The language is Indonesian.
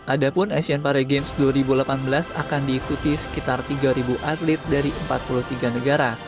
adapun asian para games dua ribu delapan belas akan diikuti sekitar tiga atlet dari empat puluh tiga negara